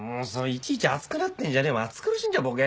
いちいち熱くなってんじゃねえよ暑苦しいんじゃボケ。